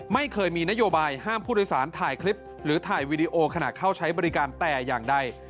ไม่เคยมีนโยบายห้ามผู้โดยสารถ่ายคลิปหรือถ่ายวีดีโอขณะเข้าใช้บริการแต่อย่างใด